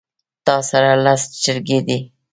تاسره لس چرګې دي